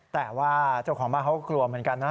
แต่ว่าเจ้าของบ้านเขาก็กลัวเหมือนกันนะ